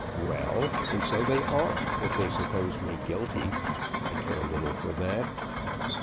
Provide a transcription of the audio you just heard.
"Well, and so they ought, if they suppose me guilty; I care little for that."